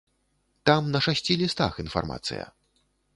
Там на шасці лістах інфармацыя.